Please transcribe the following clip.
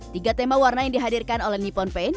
tiga tema warna yang dihadirkan oleh nippon pain